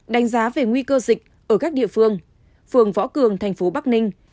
đánh giá về nguy cơ dịch ở các địa phương phường võ cường thành phố bắc ninh